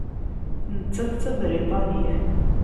Nettat d Tabriṭanit.